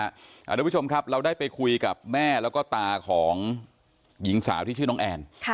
คุณผู้ชมครับเราได้ไปคุยกับแม่แล้วก็ตาของหญิงสาวที่ชื่อน้องแอน